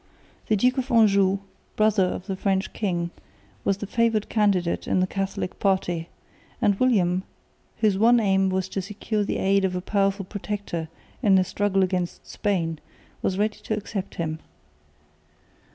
The Duke of Anjou, brother of the French king, was the favoured candidate of the Catholic party; and William, whose one aim was to secure the aid of a powerful protector in the struggle against Spain, was ready to accept him.